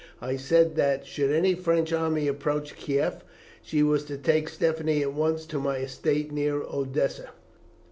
I said that, should any French army approach Kieff, she was to take Stephanie at once to my estate near Odessa.